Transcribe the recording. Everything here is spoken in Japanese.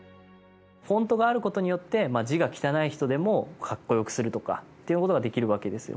フォントがあることによってまあ字が汚い人でもかっこよくするとかっていうことができるわけですよ。